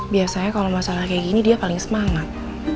biasanya kalau masalah kayak gini dia paling semangat